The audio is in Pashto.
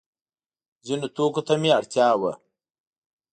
ځینو توکو ته مې اړتیا وه.